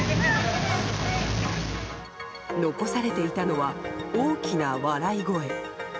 残されていたのは大きな笑い声。